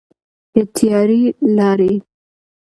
د تیارې لارې.